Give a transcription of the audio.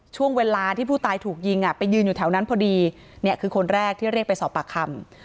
ช่วงเวลาที่ผู้ตายถูกยิงอ่ะไปยืนอยู่แถวนั้นพอดีเนี่ยคือคนแรกที่เรียกไปสอบปากคำ